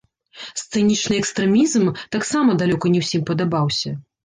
Сцэнічны экстрэмізм таксама далёка не ўсім падабаўся.